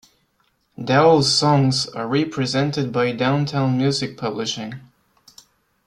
Daou's songs are represented by Downtown Music Publishing.